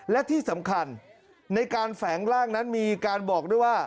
และที่สำคัญในการแฝงร่างนั้นมีการบอกด้วยว่า